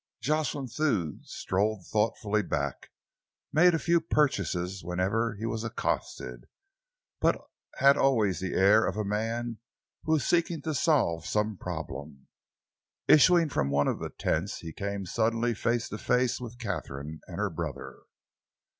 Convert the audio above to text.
Jocelyn Thew strolled thoughtfully back, made a few purchases wherever he was accosted, but had always the air of a man who is seeking to solve some problem. Issuing from one of the tents, he came suddenly face to face with Katharine and her brother.